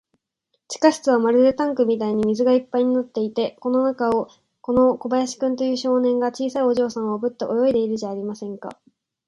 地下室はまるでタンクみたいに水がいっぱいになっていて、その中を、この小林君という少年が、小さいお嬢さんをおぶって泳いでいるじゃありませんか。